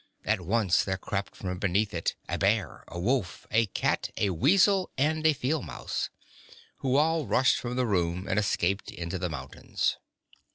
At once there crept from beneath it a bear, a wolf, a cat, a weasel, and a field mouse, who all rushed from the room and escaped into the mountains.